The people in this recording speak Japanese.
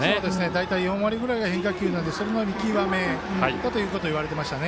大体４割ぐらいが変化球なのでその見極めだということを言われていました。